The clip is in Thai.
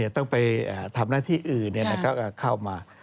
ต้องไปทำหน้าที่อื่นก็เข้ามา